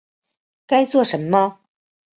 该做什么